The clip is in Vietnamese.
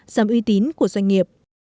giảm uy tín của doanh nghiệp